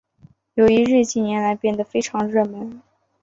友谊日近年来变得非常热门。